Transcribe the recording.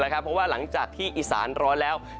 เพราะว่าหลังจากที่อีสานร้อนแล้ว